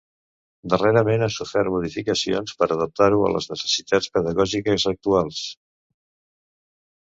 Darrerament ha sofert modificacions per adaptar-ho a les necessitats pedagògiques actuals.